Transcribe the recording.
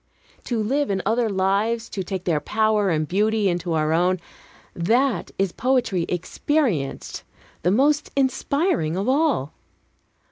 To live in other lives, to take their power and beauty into our own, that is poetry experienced, the most inspiring of all.